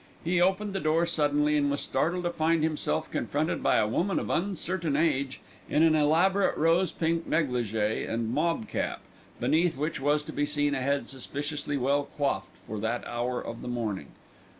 He opened the door suddenly, and was startled to find himself confronted by a woman of uncertain age in an elaborate rose pink négligé and mob cap beneath which was to be seen a head suspiciously well coiffed for that hour of the morning.